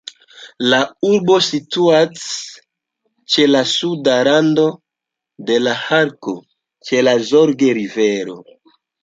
La urbo situas ĉe la suda rando de la Harco, ĉe la Zorge-rivero.